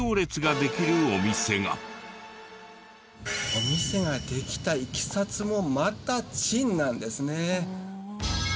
お店ができたいきさつもまた珍なんですね。